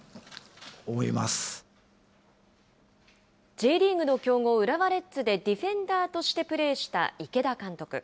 Ｊリーグの強豪、浦和レッズでディフェンダーとしてプレーした池田監督。